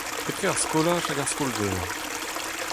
Etre ar skolaj hag ar skol-veur.